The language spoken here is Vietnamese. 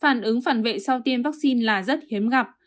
phản ứng phản vệ sau tiêm vaccine là rất hiếm gặp